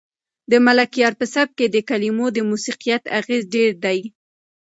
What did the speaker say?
د ملکیار په سبک کې د کلمو د موسیقیت اغېز ډېر دی.